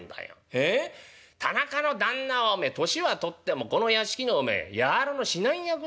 ええっ田中の旦那はおめえ年は取ってもこの屋敷のおめえ柔らの指南役だよ。